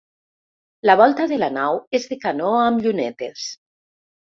La volta de la nau és de canó amb llunetes.